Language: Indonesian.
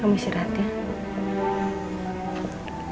kamu istirahat ya